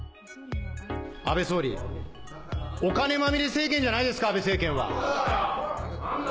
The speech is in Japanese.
安倍総理、お金まみれ政権じゃないですか、安倍政権は。